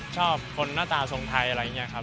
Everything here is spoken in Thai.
ชอบคนหน้าตาทรงไทยอะไรอย่างนี้ครับ